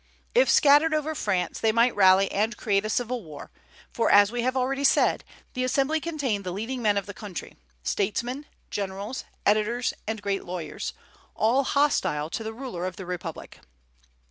If scattered over France, they might rally and create a civil war; for, as we have already said, the Assembly contained the leading men of the country, statesmen, generals, editors, and great lawyers, all hostile to the ruler of the Republic.